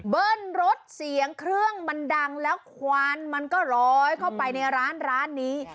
เบิ้ลรถเสียงเครื่องมันดังแล้วควานมันก็ลอยเข้าไปในร้านร้านนี้